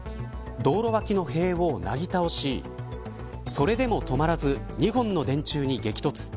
道路脇の塀をなぎ倒しそれでも止まらず２本の電柱に激突。